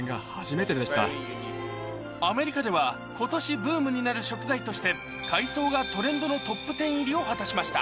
アメリカでは今年ブームになる食材として海藻がトレンドのトップ１０入りを果たしました